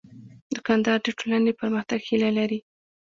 دوکاندار د ټولنې د پرمختګ هیله لري.